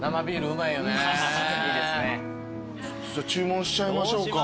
注文しちゃいましょうか。